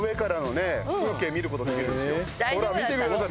ほら見てください。